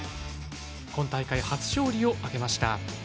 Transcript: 今大会、初勝利を挙げました。